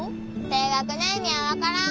低学年には分からん。